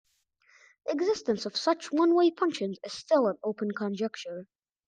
The existence of such one-way functions is still an open conjecture.